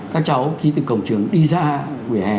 các cháu khi từ cổng trường đi ra vỉa hè